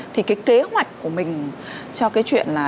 thì cái kế hoạch của mình cho cái chuyện là